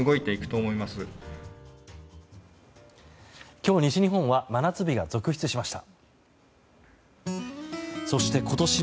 今日、西日本は真夏日が続出しました。